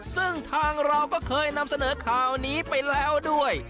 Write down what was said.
ซึ่งทางเราก็เคยนำเสนอข่าวนี้ไปแล้วด้วย